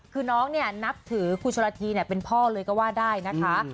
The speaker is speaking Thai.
คือน้องเนี่ยนับถือครูชนละทีเป็นพ่อเลยก็ว่าได้นะคะ